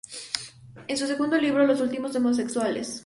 En su segundo libro “"Los últimos homosexuales.